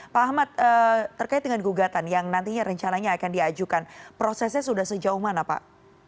pak ahmad terkait dengan gugatan yang nantinya rencananya akan diajukan prosesnya sudah sejauh mana pak